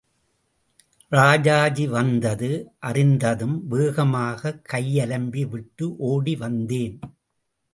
ராஜாஜி வந்தது அறிந்ததும் வேகமாக கை அலம்பி விட்டு ஓடி வந்தேன்.